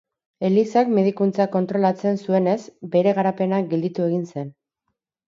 Elizak medikuntza kontrolatzen zuenez, bere garapena gelditu egin zen.